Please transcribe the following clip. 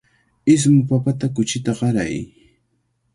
Ismu papata kuchita qaray.